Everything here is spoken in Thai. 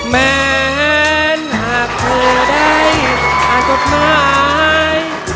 แม่นหากเธอได้อาจจดหมาย